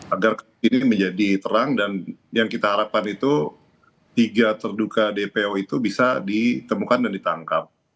agar ini menjadi terang dan yang kita harapkan itu tiga terduga dpo itu bisa ditemukan dan ditangkap